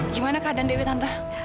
gimana keadaan dewi tante